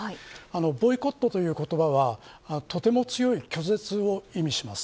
ボイコットという言葉はとても強い拒絶を意味します。